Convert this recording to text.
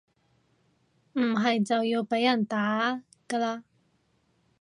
唔係就要被人打㗎喇